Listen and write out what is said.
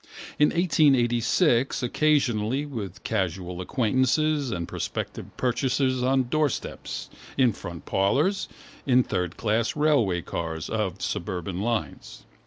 In 1886 occasionally with casual acquaintances and prospective purchasers on doorsteps, in front parlours, in third class railway carriages of suburban lines.